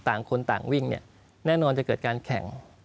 ต่างคนต่างวิ่งเนี่ยแน่นอนจะเกิดการแข่ง